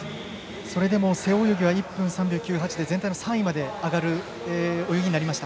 それでも背泳ぎは全体の３位まで上がる泳ぎになりました。